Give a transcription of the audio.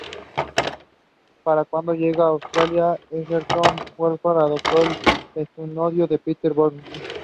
He sat in parliament for the remainder of the term.